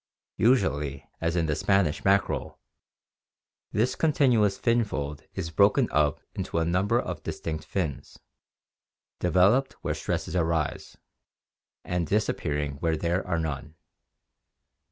Usually, as in the Spanish mackerel, this continuous fin fold is broken up into a number of distinct fins, developed where stresses arise, and disappearing where there are none.